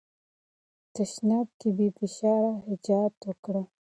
تشناب کې بې فشار حاجت وکړئ.